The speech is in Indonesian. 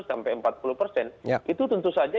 sampai empat puluh persen itu tentu saja